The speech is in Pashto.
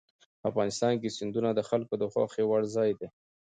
افغانستان کې سیندونه د خلکو د خوښې وړ ځای دی.